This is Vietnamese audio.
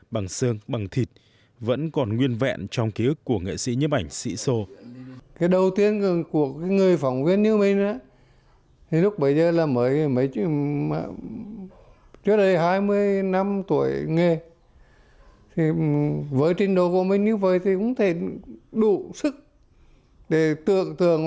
bằng sương bằng thịt vẫn còn nguyên vẹn trong ký ức của nghệ sĩ nhấp ảnh sĩ sô